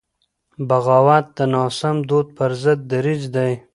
بغاوت د ناسم دود پر ضد دریځ دی.